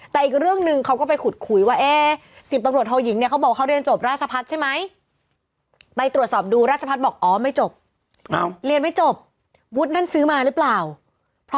แต่อีกเรื่องนึงเขาก็ไปขุดขุยว่า